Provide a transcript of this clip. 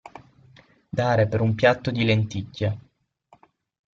Dare per un piatto di lenticchie.